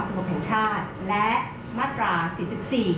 คงไว้ควบคู่ไปกับรัฐมนตรีที่จะผ่านในวันที่๗สิงหาพรุ่ง